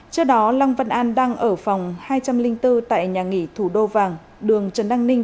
trước đó long văn an đang ở phòng hai trăm linh bốn tại nhà nghỉ thủ đô vàng đường trần đăng ninh